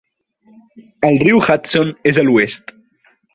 El riu Hudson és a l'oest.